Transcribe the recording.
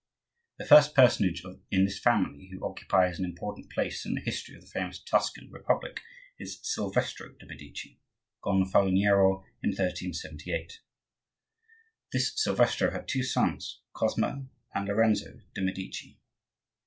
The first personage in this family who occupies an important place in the history of the famous Tuscan republic is Silvestro de' Medici, gonfaloniero in 1378. This Silvestro had two sons, Cosmo and Lorenzo de' Medici.